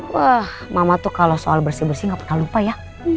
wah mama tuh kalau soal bersih bersih nggak pernah lupa ya